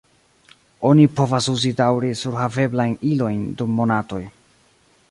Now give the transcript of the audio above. Oni povas uzi daŭre surhaveblajn ilojn dum monatoj.